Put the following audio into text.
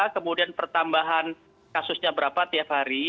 kemudian pertambahan kasusnya berapa tiap hari